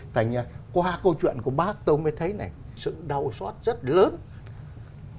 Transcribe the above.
tại vì qua câu chuyện của bác tôi mới thấy sự đau xót rất lớn